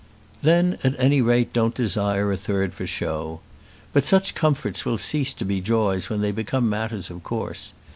"Then at any rate don't desire a third for show. But such comforts will cease to be joys when they become matters of course.